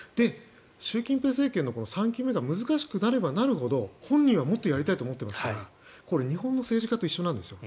習近平政権の３期目が難しくなればなるほど本人はもっとやりたいと思ってますからこれ日本の政治家と一緒なんですよ。